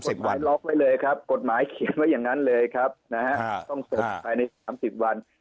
ใช่ครับกฎหมายล็อกไว้เลยครับกฎหมายเขียนไว้อย่างนั้นเลยครับต้องส่งภายใน๓๐วัน